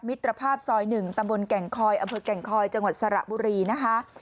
มิตรภาพซอย๑ตำบลแก่งคอยอำเภอแก่งคอยจังหวัดสระบุรีนะคะ